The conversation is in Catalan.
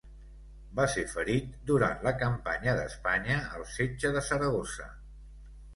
Va ser ferit durant la campanya d'Espanya, al setge de Saragossa.